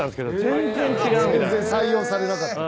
全然採用されなかった。